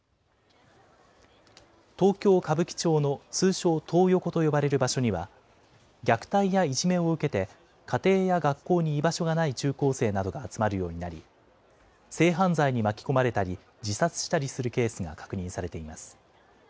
東京・歌舞伎町の通称トー横と呼ばれる場所には、虐待やいじめを受けて家庭や学校に居場所がない中高生などが集まるようになり、性犯罪に巻き込まれたり、自殺したりするケースが確認されています。